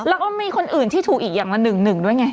แล้วก็มีคนอื่นที่ถูกอีกอย่างละ๑๑ด้วยไง